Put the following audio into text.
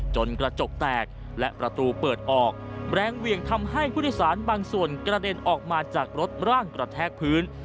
กระจกแตกและประตูเปิดออกแรงเหวี่ยงทำให้ผู้โดยสารบางส่วนกระเด็นออกมาจากรถร่างกระแทกพื้น